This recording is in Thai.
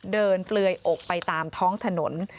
เปลือยอกไปตามท้องถนน